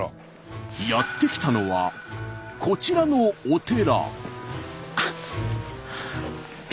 やって来たのはこちらのお寺。